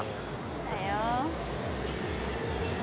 来たよ。